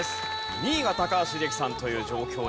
２位が高橋英樹さんという状況になっています。